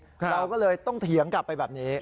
เราก็เลยต้องเถียงกลับไปแบบนี้